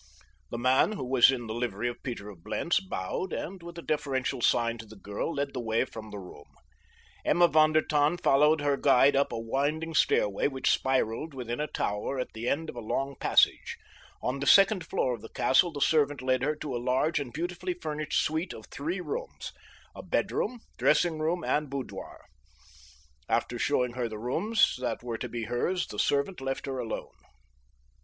The man, who was in the livery of Peter of Blentz, bowed, and with a deferential sign to the girl led the way from the room. Emma von der Tann followed her guide up a winding stairway which spiraled within a tower at the end of a long passage. On the second floor of the castle the servant led her to a large and beautifully furnished suite of three rooms—a bedroom, dressing room and boudoir. After showing her the rooms that were to be hers the servant left her alone.